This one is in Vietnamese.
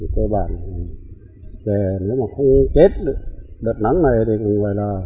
cơ bản nếu mà không kết đợt nắng này thì cũng vậy là